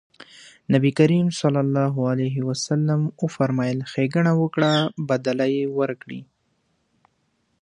نبي کريم ص وفرمایل ښېګڼه وکړه بدله يې ورکړئ.